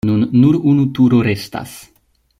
Nun nur unu turo restas.